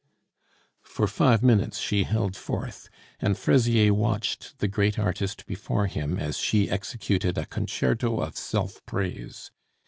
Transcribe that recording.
_" For five minutes she held forth, and Fraisier watched the great artist before him as she executed a concerto of self praise.